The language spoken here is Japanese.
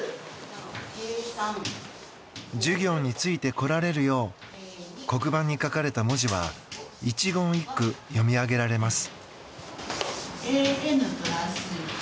授業についてこられるよう黒板に書かれた文字は一言一句読み上げられます。